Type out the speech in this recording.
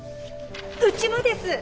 うちもです！